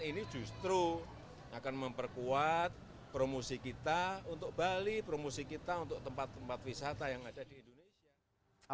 ini justru akan memperkuat promosi kita untuk bali promosi kita untuk tempat tempat wisata yang ada di indonesia